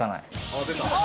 あっ出た。